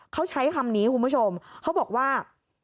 เขาใช้คำนี้คุณผู้ชมเขาบอกว่า